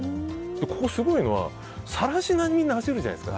ここ、すごいのは更科にみんな走るじゃないですか。